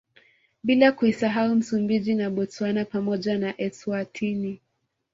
Bila kuisahau Msumbiji na Botswana pamoja na Eswatini